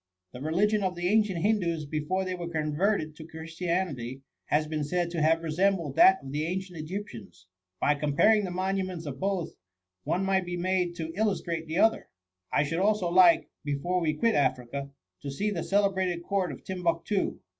The religion of the ancient Hindoos, before they were converted to Chris tianity, has been said to have resembled that of the ancient Egyptians; by comparing the THE MUMMY. 115 monuments of both, one might be made to il lustrate the other. I should also like, before we quit Africa, to see the celebrated court of TimbuQtoo.